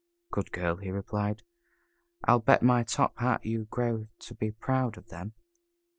"Good girl," he replied. "I'll bet my top hat you grow to be proud of them."